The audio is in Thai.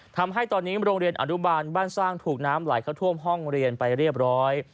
ทำให้ตอนนี้โรงเรียนอนุบาลบ้านสร้างถูกน้ำไหลเข้าท่วมห้องเรียนไปเรียบร้อย